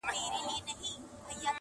کشکي ستا پر لوڅ بدن وای ځلېدلی!٫